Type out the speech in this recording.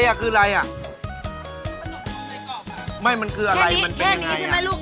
อ๋ออออออออออออออดินอ๋อโอ่คือยานนี้คือยานอบ